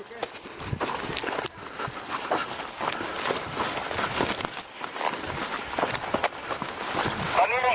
ขอท้าหน่อยครับขอท้าหน้าหน่อย